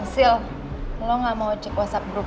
sil lo gak mau cek whatsapp grup